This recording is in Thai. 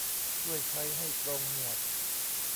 ช่วยใช้ให้ตรงหมวด